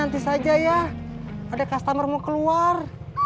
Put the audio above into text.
dia berumur dua puluh tahun